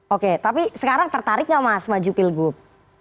oke tapi sekarang tertarik nggak mas maju pilgub